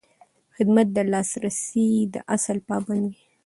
خدمت د لاسرسي د اصل پابند وي.